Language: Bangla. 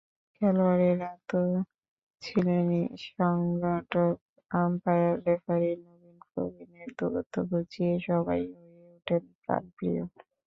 খেলোয়াড়েরা তো ছিলেনই, সংগঠক, আম্পায়ার, রেফারি—নবীন-প্রবীণের দূরত্ব ঘুচিয়ে সবাই হয়ে ওঠেন প্রাণপ্রিয়।